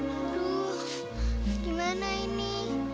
aduh gimana ini